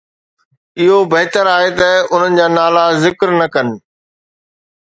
اهو بهتر آهي ته انهن جا نالا ذڪر نه ڪن.